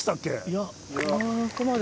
いやここまでは。